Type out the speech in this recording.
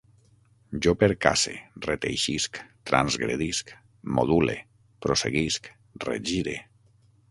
Jo percace, reteixisc, transgredisc, module, prosseguisc, regire